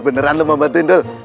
beneran lo mau bantuin dul